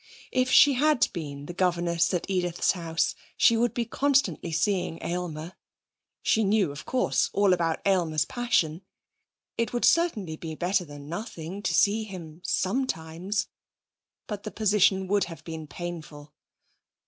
If she had been the governess at Edith's house, she would be constantly seeing Aylmer. She knew, of course, all about Aylmer's passion. It would certainly be better than nothing to see him sometimes. But the position would have been painful.